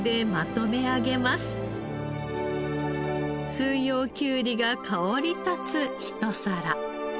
四葉きゅうりが香り立つひと皿。